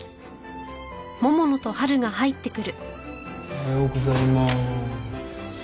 おはようございまーす。